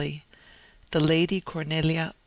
THE LADY CORNELIA.